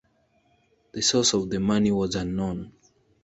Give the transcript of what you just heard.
The source of the money was unknown.